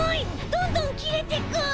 どんどんきれてく！